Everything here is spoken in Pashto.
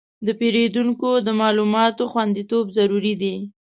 د پیرودونکو د معلوماتو خوندیتوب ضروري دی.